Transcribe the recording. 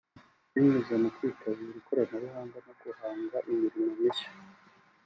binyuze mu kwitabira ikoranabuhanga no guhanga imirimo mishya